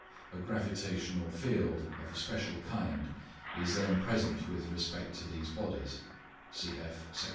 A gravitational field of a special kind is then present with respect to these bodies (cf.